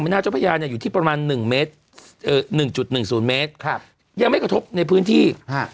หนึ่งจุดหนึ่งศูนย์เมตรครับยังไม่กระทบในพื้นที่ครับ